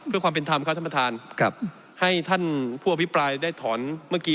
เพื่อความเป็นธรรมครับท่านประธานครับให้ท่านผู้อภิปรายได้ถอนเมื่อกี้